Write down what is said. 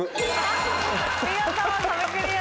見事壁クリアです。